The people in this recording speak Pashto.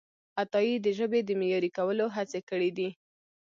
عطایي د ژبې د معیاري کولو هڅې کړیدي.